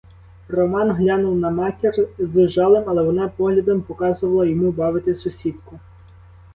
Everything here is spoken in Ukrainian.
Роман глянув на матір з жалем, але вона поглядом показувала йому бавити сусідку.